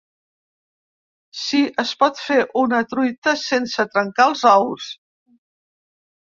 Sí es pot fer una truita sense trencar els ous!